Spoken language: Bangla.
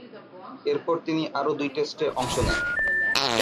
এরপর তিনি আরও দুই টেস্টে অংশ নেন।